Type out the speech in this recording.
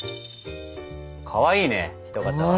かわいいね人型は。